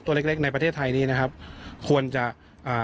เล็กเล็กในประเทศไทยนี้นะครับควรจะอ่า